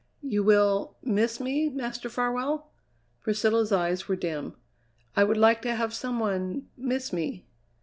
"You will miss me, Master Farwell?" Priscilla's eyes were dim. "I would like to have some one miss me!"